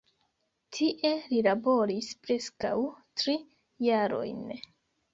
Tie li laboris preskaŭ tri jarojn.